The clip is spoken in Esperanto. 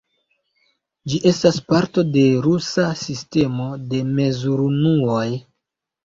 Ĝi estas parto de rusa sistemo de mezurunuoj.